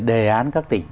đề án các tỉnh